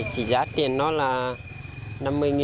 chỉ giá tiền nó là năm mươi đồng